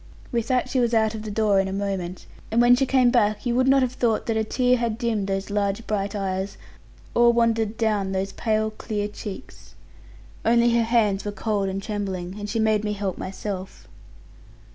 With that she was out of the door in a moment; and when she came back, you would not have thought that a tear had dimmed those large bright eyes, or wandered down those pale clear cheeks. Only her hands were cold and trembling: and she made me help myself.